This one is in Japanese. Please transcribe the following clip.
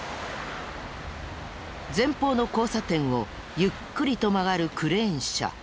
前方の交差点をゆっくりと曲がるクレーン車。